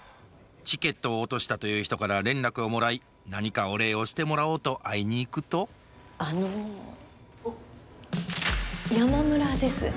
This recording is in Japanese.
チケットを落としたという人から連絡をもらい何かお礼をしてもらおうと会いに行くとあの山村です。